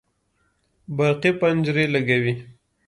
برقي پنجرې لګوي